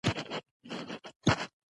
له ښورښونو څخه منع کړي.